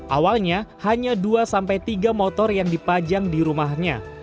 awalnya hanya dua sampai tiga motor yang dipajang di rumahnya